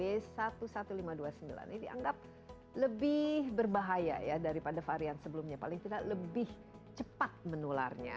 ini dianggap lebih berbahaya ya daripada varian sebelumnya paling tidak lebih cepat menularnya